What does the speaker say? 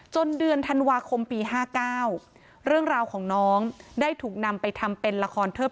เดือนธันวาคมปี๕๙เรื่องราวของน้องได้ถูกนำไปทำเป็นละครเทิบ